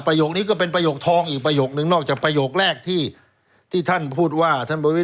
ประโยคนี้ก็เป็นประโยคทองอีกประโยคนึงนอกจากประโยคแรกที่ท่านพูดว่า